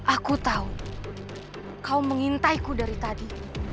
aku tahu kau mengintaiku dari tadi